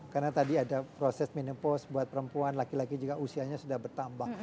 karena tadi ada proses menepos buat perempuan laki laki juga usianya sudah bertambah